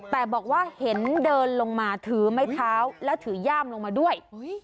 แต่บอกว่าเห็นเดินลงมาถือไม้เท้าและถือย่ามลงมาด้วย